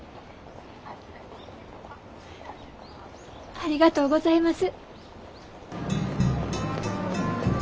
ありがとうございます。